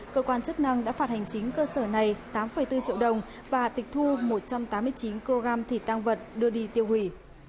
cơ quan chức năng đã phạt hành chính cơ sở này tám bốn triệu đồng và tịch thu một trăm tám mươi chín kg thịt tăng vật đưa đi tiêu hủy